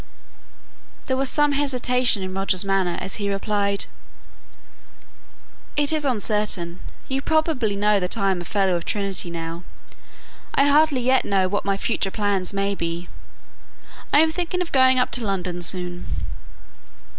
There was some hesitation in Roger's manner as he replied, "It is uncertain. You probably know that I am a Fellow of Trinity now. I hardly yet know what my future plans may be; I am thinking of going up to London soon."